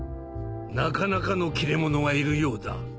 なかなかの切れ者がいるようだ。